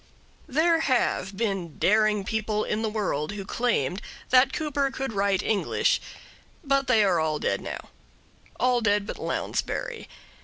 There have been daring people in the world who claimed that Cooper could write English, but they are all dead now all dead but Lounsbury.